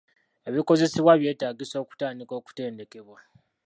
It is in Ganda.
Ebikozesebwa byetaagisa okutandika okutendekebwa.